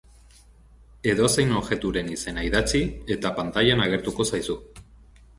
Edozein objekturen izena idatzi, eta pantailan agertuko zaizu.